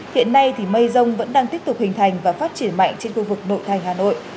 hiện nay thì mây rông vẫn đang tiếp tục hình thành và phát triển mạnh trên khu vực nội thành hà nội